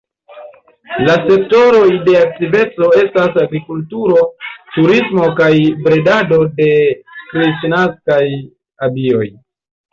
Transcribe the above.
La sektoroj de aktiveco estas agrikulturo, turismo kaj bredado de kristnaskaj abioj.